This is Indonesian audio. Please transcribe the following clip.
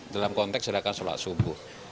dalam konteks gerakan sholat subuh